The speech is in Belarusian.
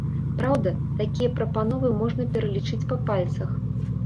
Праўда, такія прапановы можна пералічыць па пальцах.